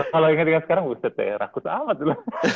kalau inget inget sekarang buset ya rakus amat tuh